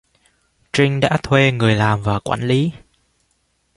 Trinh đã thuê người làm và quản lý